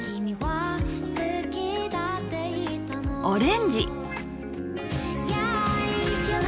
オレンジ。